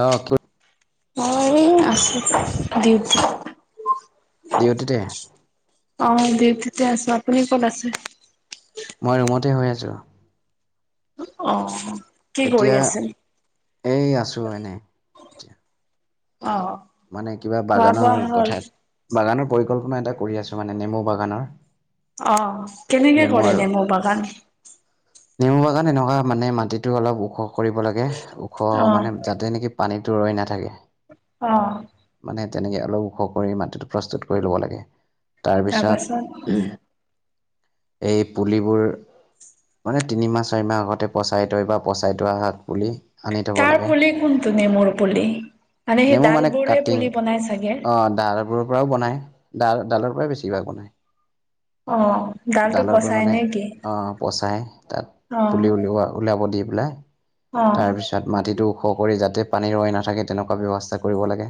অহ মই আছো পাই ডিউটি ডিউটিতে মই ডিউটিতে আছো আপুনি ক'ত আছে মই ৰুমতে শুই আছো অ কি কৰি এতিয়া আছে এই আছো এনে এতিয়া অ মানে কিবা খোৱা বোৱা বাগানৰ হ'ল কথাত বাগানৰ পৰিকল্পনা এটা কৰি আছো মানে নেমু বাগানৰ অহ কেনেকে কৰে নেমু বাগান নেমু বাগান এনেকুৱা মানে মাটিতো অলপ ওখ কৰিব লাগে ওখ অ মানে যাতে নিকি পানীত তো ৰৈ নাথাকে অ মানে তেনেকে অলপ ওখ কৰি মাটিটো প্ৰস্তুত কৰি ল'ব লাগে তাৰপিছত তাৰপাছত এই পুলিবোৰ মানে তিনিমাহ চাৰি মাহ আগতে পচাই থয় বা পচাই থোৱা হাক বুলি তাৰ পুলি কোনটো নেমুৰ পুলি মানে সেই নেমু মানে ডালবোৰহে কাটিং পুলি বনাই চাগে অ ডালবোৰ পৰাও বনাই ডাল ডালৰ পৰা বেছিভাগ বনায় অ ডালটো ডালৰ পৰা পচাই মানে নে কি অহ পচাই অ তাত পুলি উলিওৱা উলাব দি পেলাই অ তাৰ পিছত মাটিটো ওখ কৰি যাতে পানী ৰৈ নাথাকে তেনেকুৱা ব্যৱস্থা কৰিব লাগে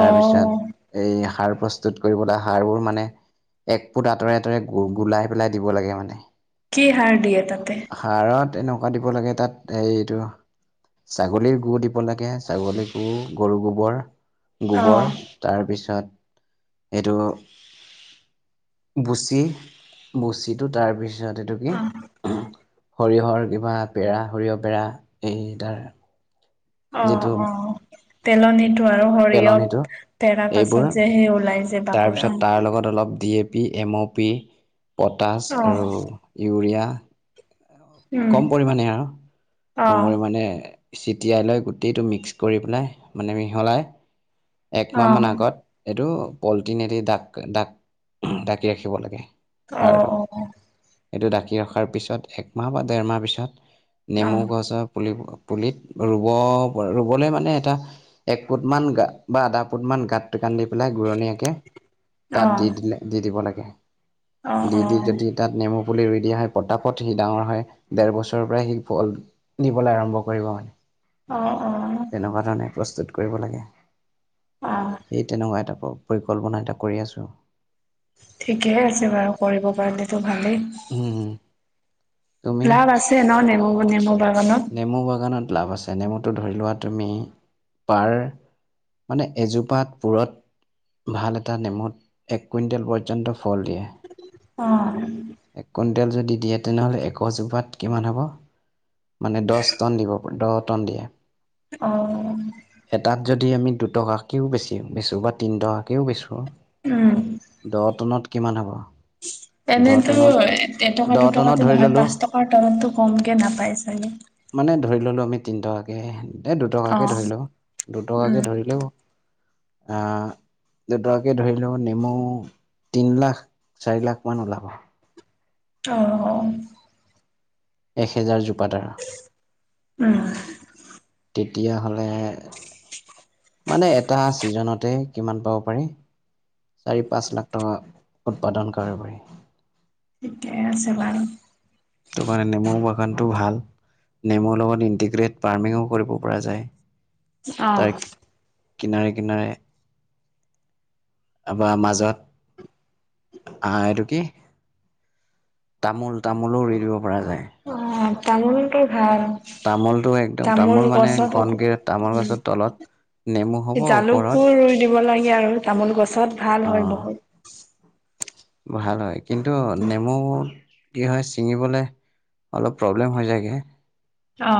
অ এই সাৰ প্ৰস্তুত কৰিবলৈ সাৰবোৰ মানে এক ফুট আঁতৰে আঁতৰে গু গুলাই পেলাই দিব লাগে মানে কি হাৰ দিয়ে তাতে ৱা দিব লাগে তাত এইটো ছাগলীৰ গু দিব লাগে ছাগলীৰ গু গৰু গোবৰ অ গোবৰ তাৰ পিছত এইটো বুচি বচিটো তাৰপিছত এইটো কি অ সৰিয়হৰ কিবা পেৰা সৰিয়হ পেৰা এই তাৰ অ যিটো অ পেলনীটো আৰু সৰিয়হ পেলনিটো পেৰা এইবোৰ পাছত যে সেই ওলাই যে বাকলি তাৰপিছত অ', তাৰ লগত অলপ D A P M O P potash অ', আৰু ইউৰিয়া উম, কম পৰিমাণে আৰু অ', ছিটিয়াই লৈ গোটেইটো মিক্স কৰি পেলাই মানে মিহলাই একমাহ অ', মান আগত সেইটো পলিঠিনে দি ডাক ডাক ডাকি ৰাখিব লাগে অ অ এইটো ঢাকি ৰখাৰ পিছত একমাহ বা ডেৰমাহ পিছত অ', অ', নেমু অ', গছক পুলিত ৰুব ৰুবলৈ মানে এটা এক ফুট মান গাত বা আধা ফুট মান গাত কান্ দি পেলাই ঘুৰণীয়াকে তাত দি দিলে দি দিব লাগে অ', দি দি অ', যদি তাত নেমু পুলি ৰুই দিয়া হয় পতাপত সি ডাঙৰ হয় ডেৰ বছৰৰ পৰাই সি ফল দবলৈ আৰম্ভ কৰিব মানে অ', তেনেকুৱা ধৰণে প্ৰস্তুত কৰিব লাগে অ', এই তেনেকুৱা এটা পৰিকল্পনা এটা কৰি আছো ঠিকেই আছে বাৰু কৰিব পাৰিলেতো ভালেই উম, তুমি লাভ আছে ন নেমু নেমু বাগানত নেমু বাগানত লাভ আছে নেমুটো ধৰি লোৱা তুমি পাৰ মানে এজোপাত পূৰঠ ভাল এটা নেমুত এক কুইণ্টেল পৰ্যন্ত ফল দিয়ে অ এক কুইণ্টেল যদি দিয়ে তেনেহ'লে এশজোপাত কিমান হ'ব মানে দহ টন দিব প দহ টন দিয়ে অ', এটাত যদি আমি দুটকাকেও বেছি বেচোঁ বা তিনি টকাকেও বেচোঁ উম, দহ টনত কিমান হ'ব দহ এনেতো টনত এটকা দহ টনত দুটকাত ধৰি নহয় ল'লোঁ পাঁচ টকাৰ তলতটো কম কে নাপায় চাগে মানে ধৰি ললো আমি তিন টকাকে এ দুটকাকৈ অ', ধৰি লও উম, দুটকাকৈ ধৰিলেও দুটকাকে ধৰি লও নেমু তিন লাখ চাৰি লাখ মান ওলাব অ এহেজাৰ জোপডাৰ উম তেতিয়া হলে মানে এটা ছিজনতে কিমান পাব পাৰি চাৰি পাঁচ লাখ টকা উৎপাদন কৰে পাৰি ছে তোমাৰ নেমু বাগানটো ভাল নেমুৰ লগত ইণ্টিগ্ৰেট ফাৰ্মিঙো কৰিব পৰা যায় অহ তাৰ কিনাৰে কিনাৰে বা মাজত আহ এইটো কি তামোল তামোলো ৰুই দিব পৰা যায় অ', তামোলটো তামোলটো একদম তামোল মানে গছত ঘনকে তামোল গছৰ তলত নেমু হ'ব ওপৰত জালুকো ৰুই দিব লাগে আৰু তামোল গছত ভাল অ হয় বহুত ভাল হয় কিন্তু নেমু কি হয় ছিঙিবলৈ অলপ প্ৰব্লেম হৈ যায়গৈ অ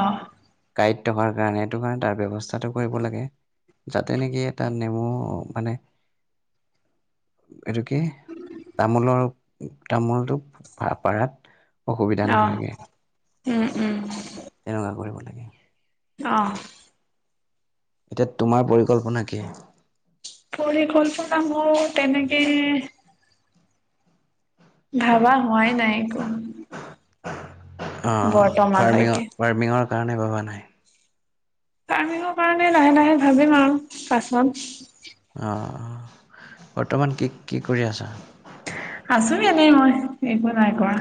গড়ীত থকাৰ কাৰণে সেইটো কাৰণে তাৰ ব্যৱস্থাটো কৰিব লাগে যাতে নেকি এটা নেমু মানে এইটো কি তামোলৰ তামোলটো পাৰাত অসুবিধা অ', নহয়গে উম উম তেনেকুৱা কৰিব লাগে অঁ এতিয়া তোমাৰ পৰিকল্পনা কি পৰিকল্পনা মোৰ তেনেকে ভাবা হোৱাই নাই একো অঁ বৰ্তমানলৈকে ফাৰ্মিঙৰ ফাৰ্মিঙৰ কাৰণে ভবা নাই ফাৰ্মিঙৰ কাৰণে লাহে লাহে ভাবিম আৰু পাছত অঁ বৰ্তমান কি কি কৰি আছা আছো এনেই মই একো নাই কৰা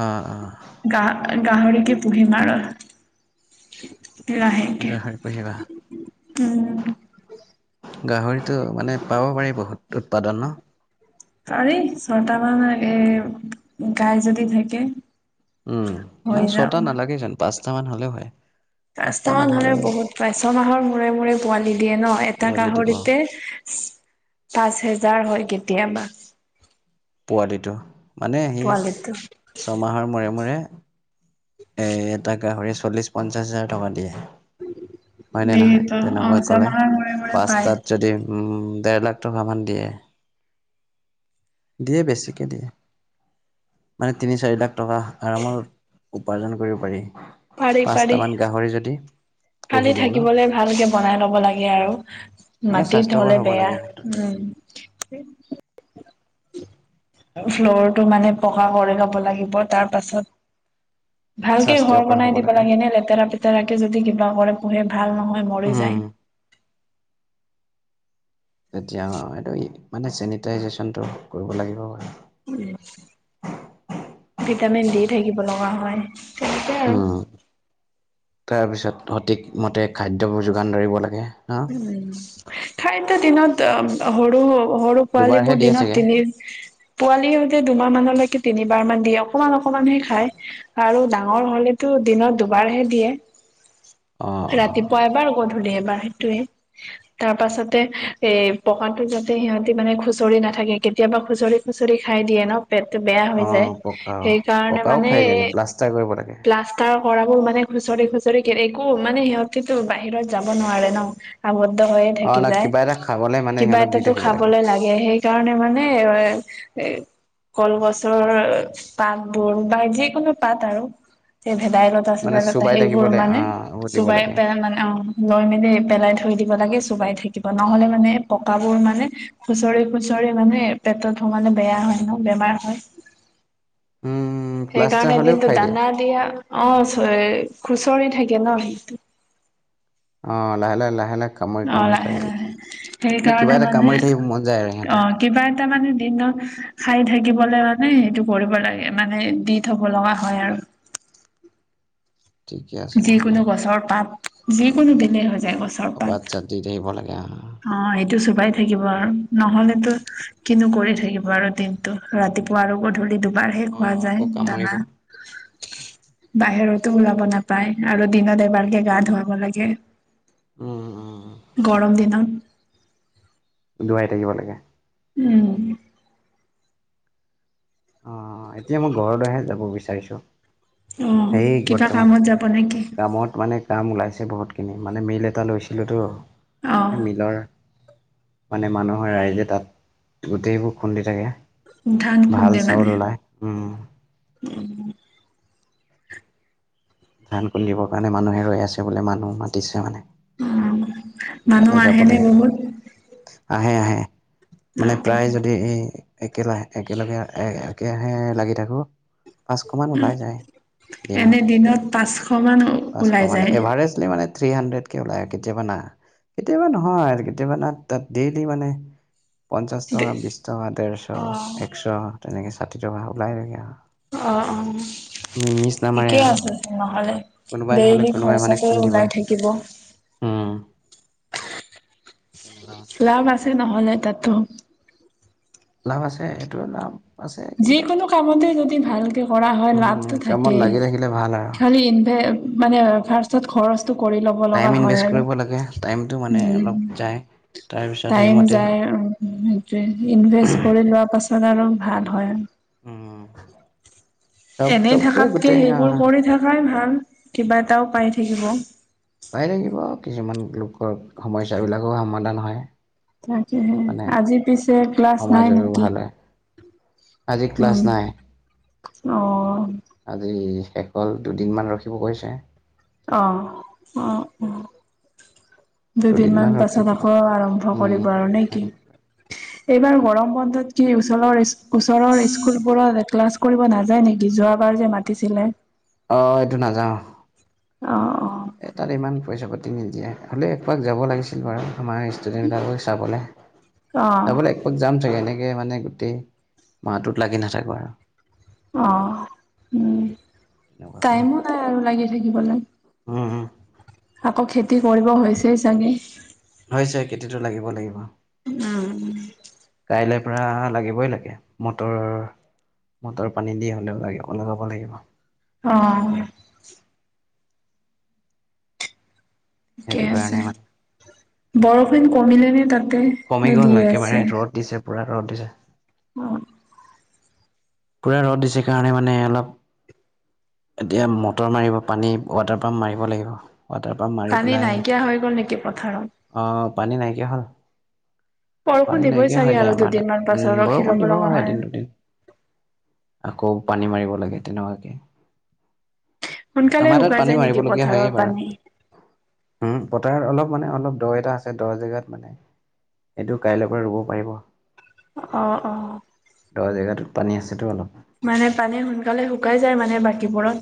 অঁ অঁ গা গাহৰিকে পুহিম আৰু লাহেকে। গাহৰি পোঢ়িবা উম। গাহৰিটো মানে পাব পাৰি বহুত উৎপাদন ন পাৰি ছটা মান এ গাই যদি থাকে উম হৈ মানে যাব। ছটা নালাগে যেন পাঁচটা মান হলেও হয় পাঁচটা মান পাঁচটামান হ'লে হ'লেও বহুত পায় ছমাহৰ মূৰে মূৰে পোৱালি দিয়ে ন' এটা পোৱালি দিব গাহৰিতে পাঁচ হোজাৰ হয় কেতিয়াবা পোৱালিটো মানে সি পোৱালিটো। ছমাহৰ মূৰে মূৰে এ এটা গাহৰি চল্লিশ পঞ্চাছ হাজাৰ টকা দিয়ে হয়নে নহয় দিয়েতো অ তেনেকুৱা কলে ছমাহৰ মূৰে মূৰে পায়। পাছটাত যদি উম দেৰ লাখ টকা মান দিয়ে দিয়ে বেছিকে দিয়ে মানে তিনি চাৰি লাখ টকা আৰামত উপাৰ্জন কৰিব পাৰি পাৰি পাৰি পাঁচটামান গাহৰি যদি খালি পুহি দিওঁ ন থাকিবলে ভালকে বনাই লব লাগে আৰু মানে মাটিত স্বাস্থ্যকৰ হলে হ'ব বেয়া লাগে সিহঁতৰ উম ফ্ল'ৰটো মানে পকা কৰি‌ লব লাগিব তাৰ পাছত ভালকে ঘৰ স্বাস্থ্যকৰ বনাই হ'ব দিব লাগে নে লেতেৰা পেতেৰাকে কে যদি কিবা কৰে পোহে ভাল নহয় মৰি উম যায় তেতিয়া এইটো মানে চেনিটাইজেশ্যনটো কৰিব লাগিব ভিটামিন দি থাকিব লগা হয় তেনেকে আৰু উম তাৰপিছত সঠিকমতে খাদ্যবোৰ যোগান ধৰিব লাগে ন মই খাইত দিনত সৰু সৰু দুবাৰহে পোৱালীবোৰ দিয়ে দিনত চাগে তিনি পোৱালি হলে দুমাহ মানলৈকে তিনিবাৰ মান দিয়ে অকমান অকমানহে খায় আৰু ডাঙৰ হলেতো দিনত দুবাৰহে দিয়ে অ অ ৰাতিপুৱা এবাৰ আৰু গধূলি এ- বাৰ সেইটোয়ে তাৰ পাছতে এ পকাটো যাতে সিহঁতি মানে খুচৰি নাথাকে কেতিয়াবা খুচৰি খুচৰি খাই দিয়ে ন' পেটটো বেয়া হৈ যায় অ', পকা সেইকাৰণে পকাও মানে খাই দিলে প্লাষ্টাৰ কৰিব লাগে। প্লাষ্টাৰ কৰাবোৰ মানে খুচৰি খুচৰি কে একো মানে সিহঁতিতো বাহিৰত যাব নোৱাৰে ন আব -দ্ধ হৈয়ে অ', থাকি ন যায় কিবা এটা খাবলৈ মানে কিবা সিহঁতক দি এটাতো থাকিব খাবলৈ লাগে সেইকাৰণে মানে এ কলগছৰ পাত বোৰ বা যিকোনো পাত আৰু ভেদাইলতা মানে চেদাইলতা চোবাই সেইবোৰ থাকিবলৈ মানে আহ দিব চোবাই লাগে। পেলাই মানে অঁ লৈ মেলি পেলাই থৈ দিব লাগে চুবাই থাকিব নহলে মানে পকাবোৰ মানে খুচৰি খুচৰি মানে পেটত সোমালে বেয়া হয় ন বেমাৰ হয় [inaudible] উম, প্লাষ্টাৰ সেইকাৰণে হ'লেও দিনটো খাই দিয়ে। দানা দিয়া অ' চ খুচৰি থাকে ন সেইটো। অ লাহে লাহে লাহে লাহে কামুৰি অ কামুৰি খাই লাহে দিয়ে লাহে এনে কিবা সেইকাৰণে এটা মানে কামুৰি থাকিব মন যায় আৰু অ সিহঁতৰ। কিবা এটা মানে দিনত খাই থাকিবলে মানে সেইটো কৰিব লাগে মানে দি থব লগা হয় আৰু। ঠিকে আছে নহ'লে যিকোনো সেইটো গছৰ পাত যিকোনো দিলে হয়। অ পাত চাত দি থাকিব লাগে। অ সেইটো চোবাই থাকিব আৰু নহলেতো কিনো কৰি থাকিব আৰু দিনটো ৰাতি ৰাতিপুৱা আৰু গধূলি দু বাৰহে খোৱা অ', যায় আকৌ কামুৰিব দানা বাহিৰতো ওলাব নাপ পায় আৰু দিনত এবাৰকে গা ধুৱাব লাগে, উম, উম। গৰম দিনত। [unintelligible] ধুৱাই থাকিব লাগে। উম। অ এতিয়া মই ঘৰলৈহে যাব বিচাৰিছো। অ সেই কিবা বৰ্তমান, কামত যাব নেকি কামত মানে কাম ওলাইছে বহুতখিনি মানে মিল এটা লৈছিলোঁতো অ সেই মিলৰ মানে মানুহৰ ৰাইজে তাত গোটেইবোৰ খুন্দি থাকে। ধান ভাল খুন্দে? চাউল মানে ওলায় উম। [inaudible] ধান খুন্দিবৰ কাৰণে মানুহে ৰৈ আছে বোলে মানুহ মাতিছে মানে। অ মানুহ তালৈ যাব আহেনে লাগিব বহুত? আহে আহে অ মানে প্ৰায় যদি এই একে একেলগে একৰাহে লাগি থাকোঁ পাঁচশমান ওলাই যায় দিনত। এনে পাঁচশ মান পাঁচশ ওলাই মানে যায় এভাৰেজলি মানে থ্ৰী হাণ্ড্ৰেড কে ওলাই আৰু কেতিয়াবা না কেতিয়াবা নহয় কেতিয়াবা না তাত ডেইলি মানে পঞ্চাছ দে টকা বিছ টকা ডেৰশ অ একশ তেনেকৈ ষাঠি টকা ওলাই থাকে আৰু। অ' অ'। মিছ নামাৰে ঠিকেই আৰু আছে নহলে কোনোবাই নহ'লে ডেইলি কোনোবাই মানে খৰচাটোৱে ওলাই খুন্দিবই থাকিব। উম। তেনেকুৱা মানে লাভ আছে নহলে তাতো। লাভ আছে। আছে কিন্তু যিকোনো কামতে যদি ভালকে কৰা হয় উম লাভটো কামত থাকেই। লাগি থাকিলে ভাল আৰু খালি ইনভে মানে আৰু ফাৰ্ষ্টত খৰছ। কৰি ল'ব টাইম লগা হয় ইনভেষ্ট আৰু, কৰিব লাগে টাইমটো মানে অলপ উম। যায় তাৰপিছত টাইম সেইমতে যায় সেইটোয়ে ইনভেষ্ট কৰি লোৱা পাছত সাদাৰণ ভাল হয় আৰু। উম, চব এনেই চবটোৱে থকাতকে গোটেই সেইবোৰ আহ কৰি থকাই ভাল কিবা এটাও পাই। থাকিব। পাই থাকিব কিছুমান লোকৰ সমস্যাবিলাকো সমাধান হয়। তাকেহে মানে আজি পিছে ক্লাছ নাই সমাজৰো নেকি? ভাল হয় আজি ক্লাছ উম নাই অ আজি। কেল দুদিনমান ৰখিব কৈছে। অ' অ' অ'। দুদিনমান ৰখি পাছত পেলাই আকৌ আৰম্ভ উম কৰিব আৰু নে কি? এইবাৰ গৰম বন্ধত কি ওচৰৰ ওচৰৰ স্কুলবোৰত এ ক্লাছ কৰিব নাযায় নেকি যোৱাবাৰ যে মাতিছিলে। অ এইটো নাযাওঁ। অ এই তাত ইমান পইচা পাতি নিদিয়ে হ'লে একোপাক যাব লাগিছিল বাৰু আমাৰ ষ্টুডেণ্টবিলাকো চাবলৈ অ চাবলৈ একবাক যাম চাগে এনেকে, মানে গোটেই মাহটোত লাগি নাথাকো আৰু অ উম তেনেকুৱাকে মানে টাইমো নাই আৰু লাগি থাকিবলৈ উম উম আকৌ খেতি কৰিব হৈছেই চাগে। হৈছে খেতিটো লাগিব লাগিব। উম! কাইলৈ পৰা লাগিবই লাগে মটৰ মটৰ পানী দি হ'লেও ল লগাব লাগিব। অ! ঠিকে সেইটো কাৰণে আছে মানে বৰষুণ কমিলে নে তাত দি আছে। পূৰা কৰা ৰট দিছে উম! পূৰা ৰ'দ দিছে কাৰণে মানে অলপ এতিয়া মটৰ মাৰিব পানী ৱাটাৰ পাম্প মাৰিব লাগিব। ৱাটাৰ পাম্প মাৰি পানী পেলাই নাইকিয়া হৈ গ'ল নেকি পথাৰত? আহ পানী নাইকিয়া হ'ল। বৰষুণ পানী দিবই নাইকিয়া চাগে হৈ আৰু যায় আমাৰ দুদিনমান তাত পাছত উম ৰখি ল'ব বৰষুণ দিব লগা হয় এদিন দুদিন, আকৌ পানী মাৰিব লাগে তেনেকুৱাকে সোনকালে আমাৰ তাত শুকাই পানী যায় নেকি মাৰিবলগীয়া পথাৰৰ হয়েই পানী? বাৰু তাৰ অলপ মানে অলপ দহ এটা আছে দহ জেগাত মানে এইটো কাইলৈ পৰা ৰুব পাৰিব। অ অ! দ জেগাটোত পানী আছেতো অলপ মানে পানী সোনকালে শুকাই যায় মানে বাকীবোৰত।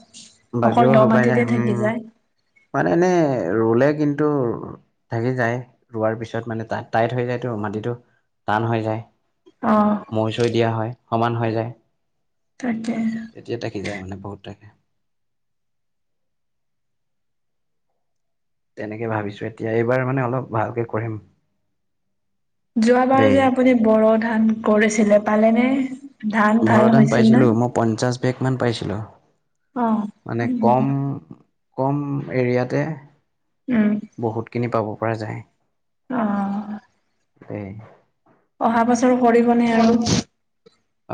অকল দ বাকীবোৰ শুকাই মাটিতে যায় থাকি হম যায়। মানে এনে ৰুলে কিন্তু ঢাকি যায় ৰোৱাৰ পিছত মানে ত টাইট হৈ যায়তো মাটিতটো টান হৈ যায় অ', মৈ চৈ দিয়া হয় সমান হৈ যায়। তাকে। তেতিয়া থাকি যায় মানে বহুত থাকে। তেনেকে ভাবিছো এতিয়া এইবাৰ মানে অলপ ভালকে কৰিম। যোৱাবাৰ দেই যে আপুনি বৰ ধান কৰিছিলে পালেনে? ধান ভাল বৰধান হৈছিল নে? পাইছিলোঁ মই পঞ্চাছ বেগ মান পাইছিলোঁ। অ', মানে উম। কম কম এৰিয়াতে, উম, বহুতখিনি পাব পৰা যায়। অ! উ! অহাৰ পাছৰো কৰিবনে আৰু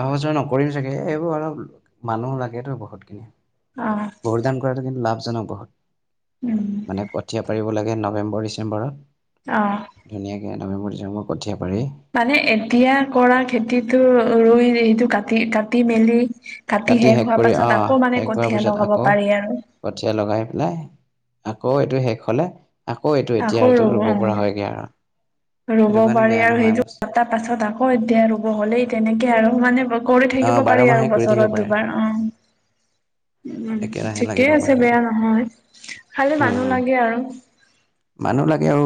অহ য নকৰিম চাগে এইবোৰ অলপ মানুহ লাগেতেতো বহুতখিনি অ', বহুত ধান কৰাটো কিন্তু লাভজনক বহুত উম, মানে কঠীয়া পাৰিব লাগে নৱেম্বৰ, পৰ ডিচেম্বৰ আহ নৱেম্বৰ ডিচেম্বৰ পঠিয়া পাৰি মানে এতিয়া কৰা খেতিতটো ৰুই সেইটো কাটি কাটি মেলি কাটি শেষ হোৱাৰ কৰি পাছত আহ আকৌ মানে শেষ কৰ কঠীয়া পিছত লগাব আকৌ পাৰি আৰু কঠীয়া লগাই পেলাই আকৌ এইটো শেষ হলে আকৌ এইটো এতিয়াটো ৰুব পৰা হয়গৈ আৰু ৰুব সেইটো কাৰণে পাৰি বেয়া আৰু নহয় সেইটো বস্তু এটা পাছত আকৌ এতিয়া ৰুব হ'লেই তেনেকে আৰু মানে কৰি অ থাকিব বাৰ পাৰি মাহে আৰু কৰি থাকিব বছৰত পাৰে দুবাৰ অ উম একেৰাহে লাগিব ঠিকেই পাৰে আছে মানে বেয়া নহয় খালি উম, মানুহ উম, লাগে আৰু মানুহ লাকে অ